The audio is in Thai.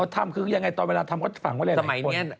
ทำคือยังไงตอนเวลาทำก็จะฝังไว้หลายคน